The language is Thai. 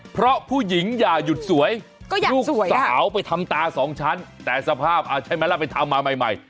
เพราะผู้หญิงอย่าหยุดสวยลูกสาวไปทำตาสองชั้นแต่สภาพใช่ไหมล่ะไปทำมาใหม่